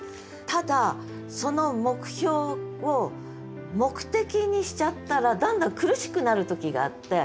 ただその目標を目的にしちゃったらだんだん苦しくなる時があって。